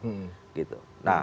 nah memang itu